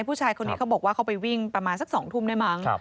ผู้ชายคนนี้เขาบอกว่าเขาไปวิ่งประมาณสัก๒ทุ่มได้มั้ง